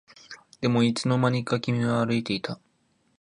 でもいつの間にか君は歩いていた